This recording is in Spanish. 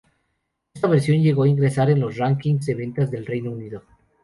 Esta versión llegó a ingresar en los rankings de ventas del Reino Unido.